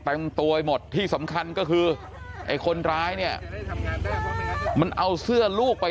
เต็มตัวไปหมดที่สำคัญก็คือไอ้คนร้ายเนี่ยมันเอาเสื้อลูกไป